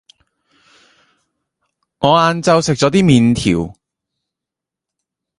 我晏晝食咗啲麵條